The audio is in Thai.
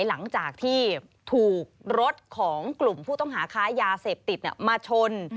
หลังจากที่ถูกรถของกลุ่มผู้ต้องหาค้ายาเสพติดมาชน